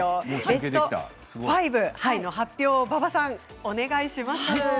ベスト５の発表をお願いします。